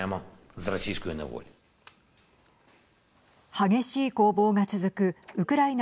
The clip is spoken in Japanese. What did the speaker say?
激しい攻防が続くウクライナ